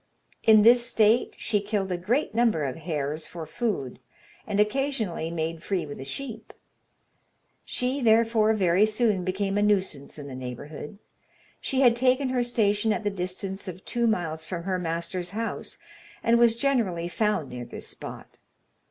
In this state she killed a great number of hares for food, and occasionally made free with the sheep; she, therefore, very soon became a nuisance in the neighbourhood. She had taken her station at the distance of two miles from her master's house, and was generally found near this spot.